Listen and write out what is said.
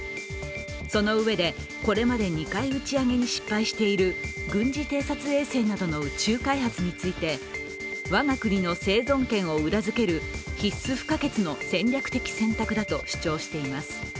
そのうえで、これまで２回打ち上げに失敗している軍事偵察衛星などの宇宙開発について我が国の生存権を裏づける必須不可欠の戦略的選択だと主張しています。